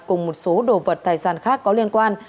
cùng một số đồ vật tài sản khác có liên quan